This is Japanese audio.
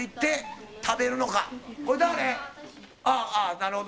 「なるほど。